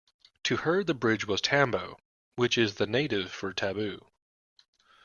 To her the bridge was tambo, which is the native for taboo.